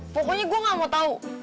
pokoknya gue gak mau tahu